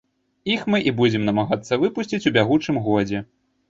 Іх мы і будзем намагацца выпусціць у бягучым годзе.